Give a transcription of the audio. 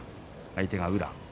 相手は宇良。